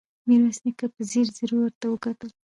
ميرويس نيکه په ځير ځير ورته وکتل.